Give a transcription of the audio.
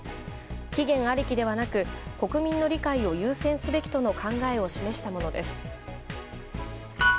期限ありきではなく国民の理解を優先すべきとの考えを示したものです。